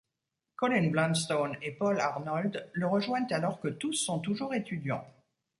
Colin Blunstone et Paul Arnold le rejoignent alors que tous sont toujours étudiants.